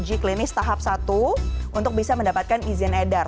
jadi kita menjalani uji klinis tahap satu untuk bisa mendapatkan izin edar